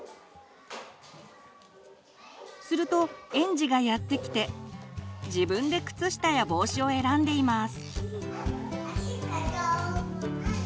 すると園児がやって来て自分で靴下や帽子を選んでいます。